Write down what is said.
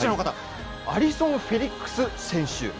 アリソン・フェリックス選手です